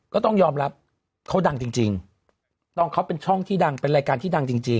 ก็ต้องยอมรับเขาดังจริงต้องเขาเป็นช่องที่ดังเป็นรายการที่ดังจริง